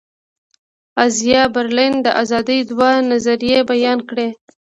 ازایا برلین د آزادي دوه نظریې بیان کړې.